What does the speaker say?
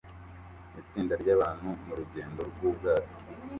Itsinda ryabantu murugendo rwubwato